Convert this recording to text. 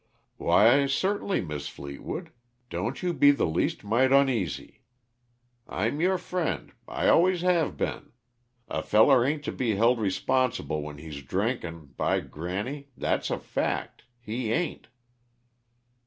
"Why, certainly, Mis' Fleetwood; don't you be the least mite oneasy; I'm your friend I always have been. A feller ain't to be held responsible when he's drinkin' by granny, that's a fact, he ain't."